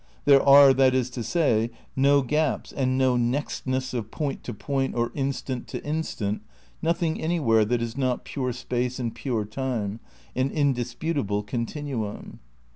There are, that is to say, no gaps and no nextness of point to point or instant to instant, nothing anywhere that is not pure space and pure time, an indisputable continuum.